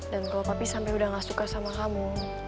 dan kalau papi sampe udah gak suka sama kamu